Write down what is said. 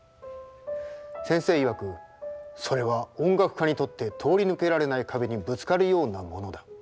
先生いわく「それは音楽家にとって通り抜けられない壁にぶつかるようなものだ」。